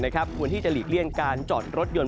ควรที่จะหลีกเลี่ยงการจอดรถยนต์